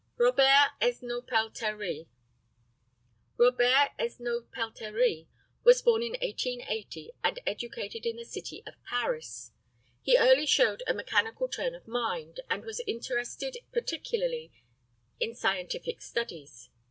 ROBERT ESNAULT PELTERIE. ROBERT ESNAULT PELTERIE was born in 1880, and educated in the city of Paris. He early showed a mechanical turn of mind, and was interested particularly in scientific studies.